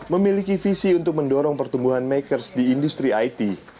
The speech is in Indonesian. memiliki visi untuk mendorong pertumbuhan makers di industri it